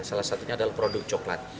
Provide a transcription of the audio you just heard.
salah satunya adalah produknya